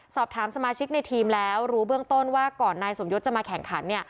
สอบถามสมาชิกในทีมแล้วรู้เบื้องต้นว่าก่อนนายสมยศจะมาแข่งขันเนี่ย